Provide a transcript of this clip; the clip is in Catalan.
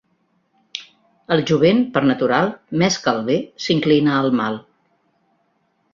El jovent, per natural, més que al bé, s'inclina al mal.